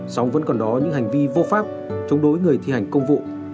song vẫn còn đó những hành vi vô pháp chống đối người thi hành công vụ